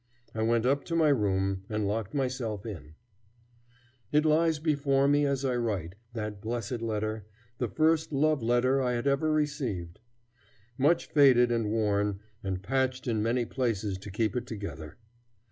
I went up to my room and locked myself in. [Illustration: The Letter.] It lies before me as I write, that blessed letter, the first love letter I had ever received; much faded and worn, and patched in many places to keep it together.